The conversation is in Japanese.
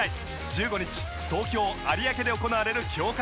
１５日東京・有明で行われる強化